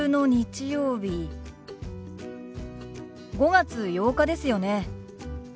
５月８日ですよね。